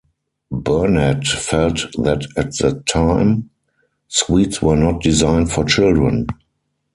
Bernat felt that at that time, sweets were not designed for children.